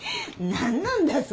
何なんだよ？